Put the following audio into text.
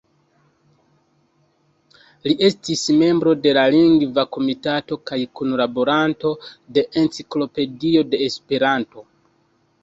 Li estis membro de la Lingva Komitato kaj kunlaboranto de "Enciklopedio de Esperanto".